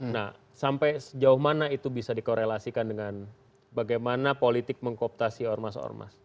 nah sampai sejauh mana itu bisa dikorelasikan dengan bagaimana politik mengkooptasi ormas ormas